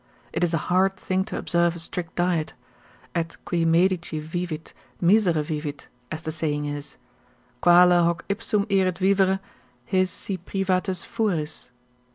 It is a hard thing to observe a strict diet, et qui medice vivit, misere vivit, as the saying is, quale hoc ipsum erit vivere, his si privatus fueris?